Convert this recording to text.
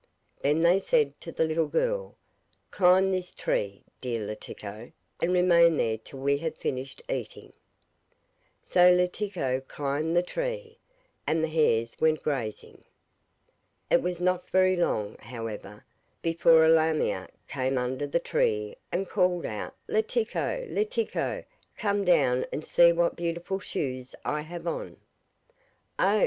Then they said to the little girl: 'Climb this tree, dear Letiko, and remain there till we have finished eating.' So Letiko climbed the tree, and the hares went grazing. It was not very long, however, before a lamia came under the tree and called out: 'Letiko, Letiko, come down and see what beautiful shoes I have on.' 'Oh!